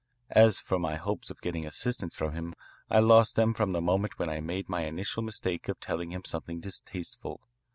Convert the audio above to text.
As for my hopes of getting assistance from him, I lost them from the moment when I made my initial mistake of telling him something distasteful.